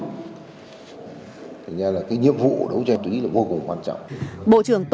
thì nha là cái nhiệm vụ đấu tranh ma túy là vô cùng quan trọng